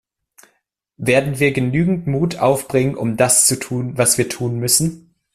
Werden wir genügend Mut aufbringen, um das zu tun, was wir tun müssen?